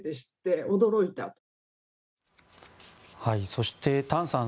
そして譚さん